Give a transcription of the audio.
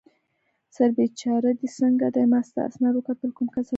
سر بېچاره دې څنګه دی؟ ما ستا اسناد وکتل، کوم کسر نه لرې.